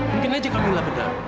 mungkin aja kamilah benar